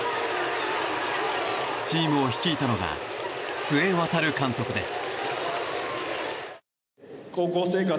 チームを率いたのが須江航監督です。